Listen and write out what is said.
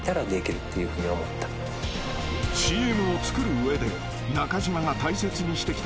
［ＣＭを作る上でなかじまが大切にしてきた］